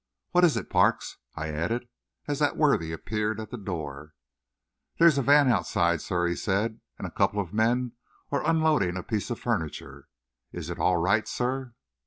What is it, Parks?" I added, as that worthy appeared at the door. "There's a van outside, sir," he said, "and a couple of men are unloading a piece of furniture. Is it all right, sir?"